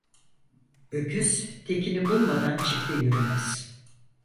Öküz tekini bulmadan çifte yürümez.